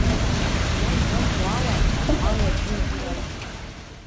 Сара излазбо ала, ала аӡәы агәыр аиҭеит!